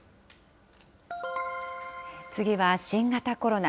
次は新型コロナ。